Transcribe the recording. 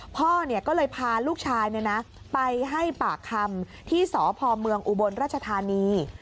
พ่อก็เลยพาลูกชายไปให้ปากคำที่สพเมืองอุบลราชธานี